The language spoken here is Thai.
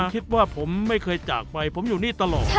คิดว่าผมไม่เคยจากไปผมอยู่นี่ตลอด